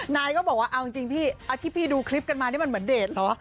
นายก็บอกว่าเอาจริงพี่ที่พี่ดูคลิปกันมานี่มันเหมือนเดทเหรอ